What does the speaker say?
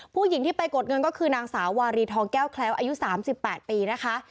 ผู้หญิงที่ไปกดเงินก็คือนางสาววารีทองแก้วแคล้วอายุ๓๘ปีนะคะ